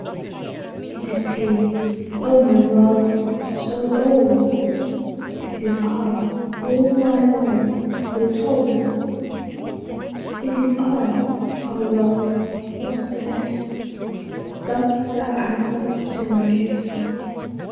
It is he—O my love! So bold! It is I—all thy love Foretold! 20 It is I—O love, what bliss! Dost thou answer to my kiss?